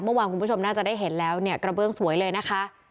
คุณผู้ชมน่าจะได้เห็นแล้วเนี่ยกระเบื้องสวยเลยนะคะ